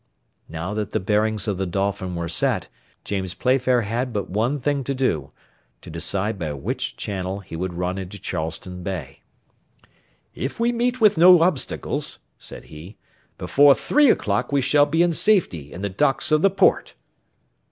Now that the bearings of the Dolphin were set, James Playfair had but one thing to do, to decide by which channel he would run into Charleston Bay. "If we meet with no obstacles," said he, "before three o'clock we shall be in safety in the docks of the port."